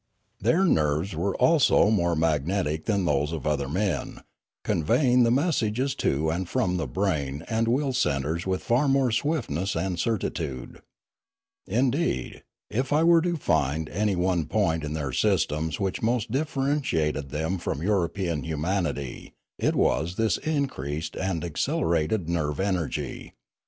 Their nerves were also more magnetic than those of other men, conveying the messages to and from the brain and will centres with far more swiftness and certitude. Indeed, if I were to find any one point in their systems which most differentiated them from European humanity, it was this increased and ac celerated nerve energy.